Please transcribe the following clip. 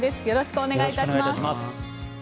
よろしくお願いします。